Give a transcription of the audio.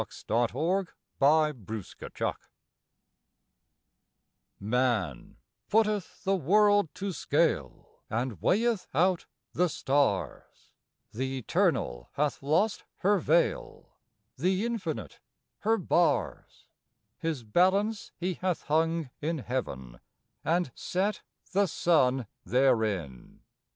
PÆANS MAN Man putteth the world to scale And weigheth out the stars; Th' eternal hath lost her veil, The infinite her bars; His balance he hath hung in heaven And set the sun therein.